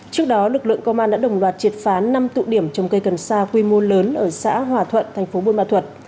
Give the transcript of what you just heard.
trước đó lực lượng công an đã đồng loạt triệt phá năm tụ điểm trồng cây cần sa quy mô lớn ở xã hòa thuận thành phố buôn ma thuật